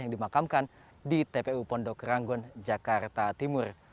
yang dimakamkan di tpu